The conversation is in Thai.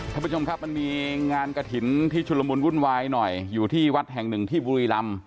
ท่านผู้ชมครับมันมีงานกระถิ่นที่ชุลมุนวุ่นวายหน่อยอยู่ที่วัดแห่งหนึ่งที่บุรีรำ